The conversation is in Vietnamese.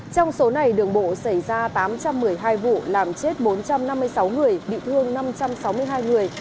trong số này đường bộ xảy ra tám trăm một mươi hai vụ làm chết bốn trăm năm mươi sáu người bị thương năm trăm sáu mươi hai người